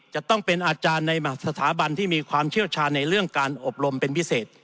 จะต้องเป็นอาจารย์ในสถาบันที่มีความเชี่ยวชาญในเรื่องการอบรมเป็นพิเศษ